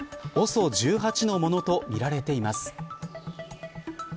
ＯＳＯ１８のものとみられています。